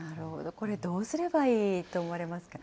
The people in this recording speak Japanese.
これ、どうすればいいと思われますか。